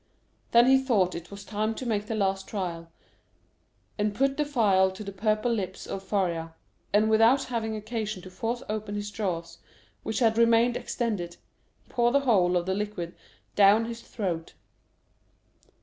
Then he thought it was time to make the last trial, and he put the phial to the purple lips of Faria, and without having occasion to force open his jaws, which had remained extended, he poured the whole of the liquid down his throat.